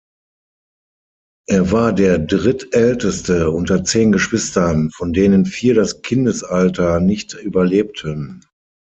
Er war der Drittälteste unter zehn Geschwistern, von denen vier das Kindesalter nicht überlebten.